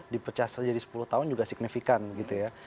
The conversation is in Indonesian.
dipecah saja di sepuluh tahun juga signifikan gitu ya